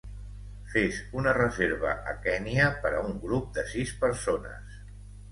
Fes una reserva a Kenya per a un grup de sis persones